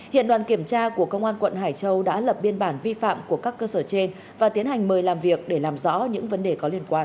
hiện đoàn kiểm tra của công an quận hải châu đã lập biên bản vi phạm của các cơ sở trên và tiến hành mời làm việc để làm rõ những vấn đề có liên quan